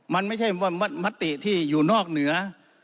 มันไม่ใช่มติที่อยู่นอกเหนือ